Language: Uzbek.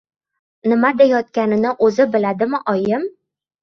Nima deyotganini o‘zi biladimi oyim?